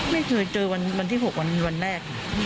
ไม่เคยเจอวันที่๖วันแรก